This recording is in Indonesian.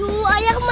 kok belum datang juga